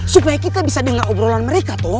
supaya kita bisa denger obrolan mereka toh